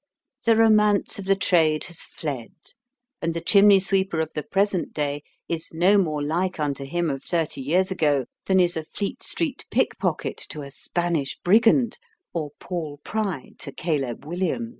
The romance of the trade has fled, and the chimney sweeper of the present day, is no more like unto him of thirty years ago, than is a Fleet Street pickpocket to a Spanish brigand, or Paul Pry to Caleb Williams.